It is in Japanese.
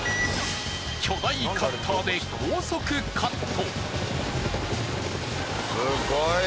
巨大カッターで高速カット。